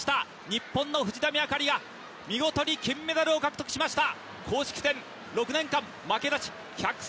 日本の藤波朱理が見事に金メダルを獲得しました。